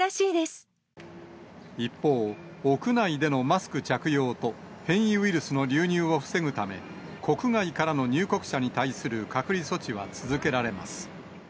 一方、屋内でのマスク着用と、変異ウイルスの流入を防ぐため、国外からの入国者に対する隔離措置は続けられます。